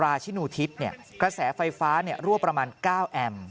ราชินูทิศเนี่ยกระแสไฟฟ้ารั่วประมาณ๙แอมป์